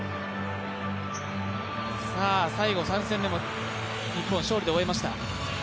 最後３戦目も日本は勝利で終えました。